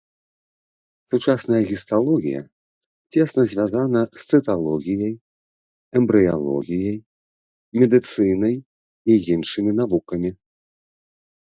Сучасная гісталогія цесна звязана з цыталогіяй, эмбрыялогіяй, медыцынай і іншымі навукамі.